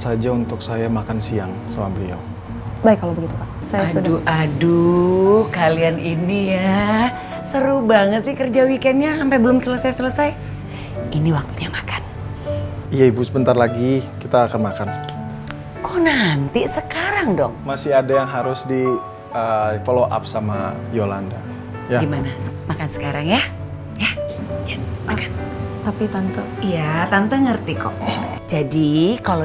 sama seperti nomor yang ada di handphone aku